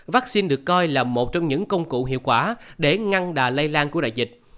vaccine được coi là một trong những công cụ hiệu quả để ngăn đà lây lan của đại dịch